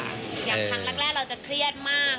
อย่างครั้งแรกเราจะเครียดมาก